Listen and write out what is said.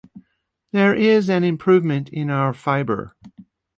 There is an improvement in our fibre.